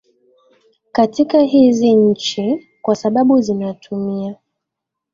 katika hizi nchi kwa sababu zinatumia